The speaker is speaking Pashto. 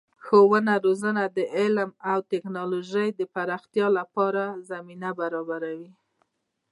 ښوونه او روزنه د علم او تکنالوژۍ د پراختیا لپاره زمینه برابروي.